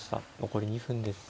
残り２分です。